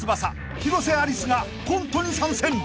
広瀬アリスがコントに参戦］